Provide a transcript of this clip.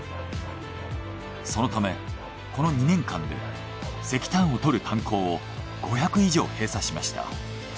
そのためこの２年間で石炭をとる炭鉱を５００以上閉鎖しました。